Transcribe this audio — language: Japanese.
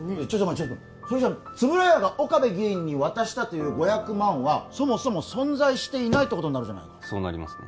ちょっと待てそれじゃ円谷が岡部議員に渡したという５００万はそもそも存在していないってことになるじゃないかそうなりますね